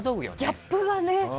ギャップがね。